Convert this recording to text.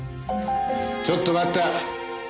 ちょっと待った。